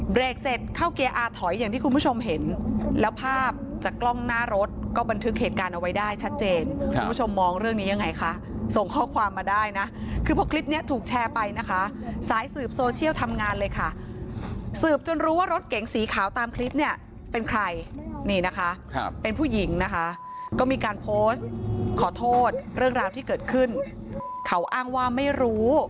เสร็จเข้าเกียร์อาถอยอย่างที่คุณผู้ชมเห็นแล้วภาพจากกล้องหน้ารถก็บันทึกเหตุการณ์เอาไว้ได้ชัดเจนคุณผู้ชมมองเรื่องนี้ยังไงคะส่งข้อความมาได้นะคือพอคลิปนี้ถูกแชร์ไปนะคะสายสืบโซเชียลทำงานเลยค่ะสืบจนรู้ว่ารถเก๋งสีขาวตามคลิปเนี่ยเป็นใครนี่นะคะเป็นผู้หญิงนะคะก็มีการโพสต์ขอโทษเรื่องราวที่เกิดขึ้นเขาอ้างว่าไม่รู้